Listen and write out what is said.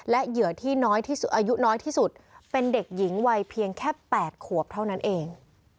และเหยื่อที่น้อยที่สุดอายุน้อยที่สุดเป็นเด็กหญิงวัยเพียงแค่๘ขวบเท่านั้นเอง